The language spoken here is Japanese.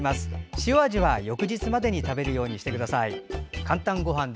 塩味は、翌日までに食べるようにしてください。